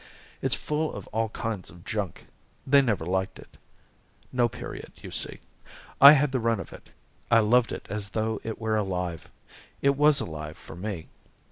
"It's full of all kinds of junk they never liked it no period, you see. I had the run of it I loved it as though it were alive; it was alive, for me.